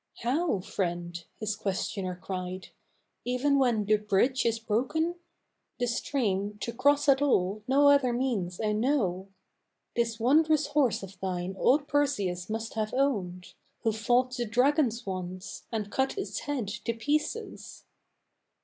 "How, friend?" his questioner cried, "even when the bridge is broken? The stream to cross at all, no other means I know: This wondrous horse of thine old Perseus must have owned, Who fought the dragon once, and cut its head to pieces.